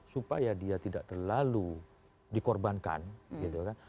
supaya dia tidak terlalu dikorbankan gitu kan